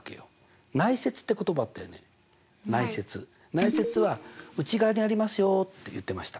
内接は内側にありますよって言ってました。